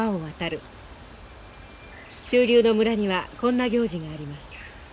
中流の村にはこんな行事があります。